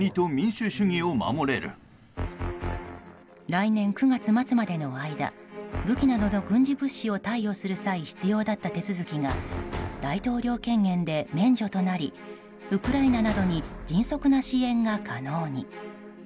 来年９月末までの間武器などの軍事物資を貸与する際必要だった手続きが大統領権限で免除となりウクライナなどに迅速な支援が可能に。